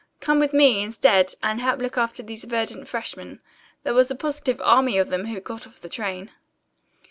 Come with me, instead, and help look after these verdant freshmen. There was a positive army of them who got off the train."